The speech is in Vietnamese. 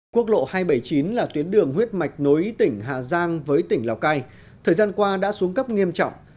quốc lộ hai trăm bảy mươi chín là tuyến đường huyết mạch nối tỉnh hà giang với tỉnh lào cai thời gian qua đã xuống cấp nghiêm trọng